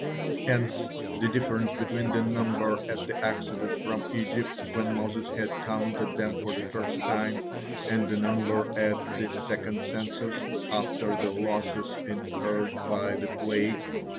Hence the difference between the number at the exodus from Egypt, when Moses had counted them for the first time, and the number at the second census, after the losses incurred by the plague.